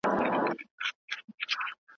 سردرد د هورمون بدلون له امله کېږي.